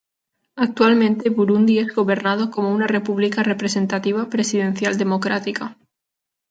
Actualmente, Burundi es gobernado como una república representativa presidencial democrática.